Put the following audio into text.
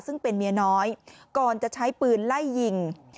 ซึ่งเป็นเมียน้อยก่อนจะใช้ปืนไล่ยิง